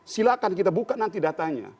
silahkan kita buka nanti datanya